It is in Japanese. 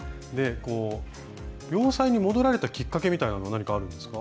洋裁に戻られたきっかけみたいのは何かあるんですか？